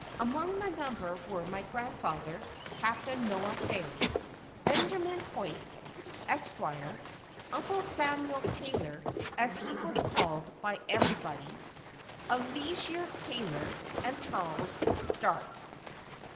Among the number were my grandfather, Capt. Noah Ferry, Benjamin Hoyt, Esq., Uncle Samuel Taylor, (as he was called by everybody,) Eleazer Taylor, and Charles Dart.